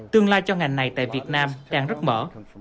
tương lai cho ngành này tại việt nam đang rất mở